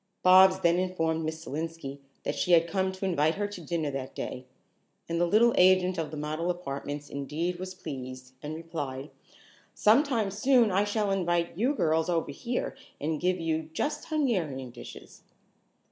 Bobs then informed Miss Selenski that she had come to invite her to dinner that day, and the little agent of the model apartments indeed was pleased, and replied: "Some time soon I shall invite you girls over here and give you just Hungarian dishes."